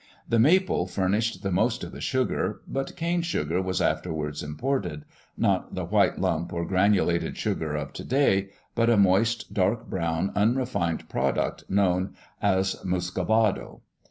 The maple furnished the most of the sugar, but cane sugar was afterwards imported—not the white lump or granulated sugar of to day, but a moist, dark brown, unrefined product known as "Muscovado".